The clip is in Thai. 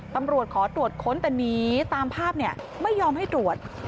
ตำรวจขอตรวจค้นแต่หนีตามภาพไม่ยอมให้ตรวจ